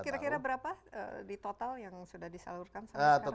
kira kira berapa di total yang sudah disalurkan sampai sekarang